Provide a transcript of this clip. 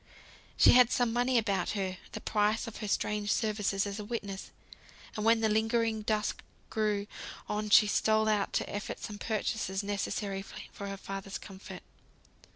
She had some money about her, the price of her strange services as a witness; and when the lingering dusk drew on, she stole out to effect some purchases necessary for her father's comfort.